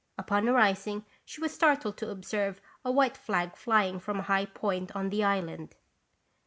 Upon arising, she was startled to observe a white flag flying from a high point on the island.